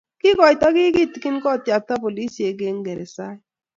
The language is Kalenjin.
kiikoito kiy kitigin kotyakta polisiek eng' geresait.